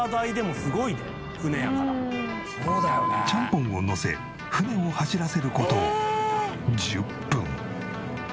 ちゃんぽんをのせ船を走らせる事１０分。